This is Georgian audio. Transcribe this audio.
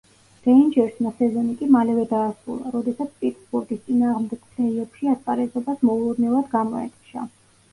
რეინჯერსმა სეზონი კი მალევე დაასრულა, როდესაც პიტსბურგის წინააღმდეგ ფლეი-ოფში ასპარეზობას მოულოდნელად გამოეთიშა.